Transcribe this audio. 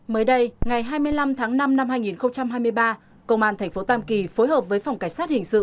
mới đây ngày hai mươi năm tháng năm năm hai nghìn hai mươi ba công an tp tam kỳ phối hợp với phòng cảnh sát hình sự